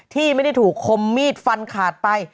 ที่ไม่ได้ถูกคมมีดฟันขาดไป